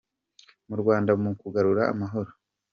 mu Rwanda mu kugarura amahoro.